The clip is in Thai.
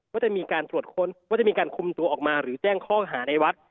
ว่าจะมีการตรวจค้นว่าจะมีการคุมตัวออกมาหรือแจ้งข้อหาในวัด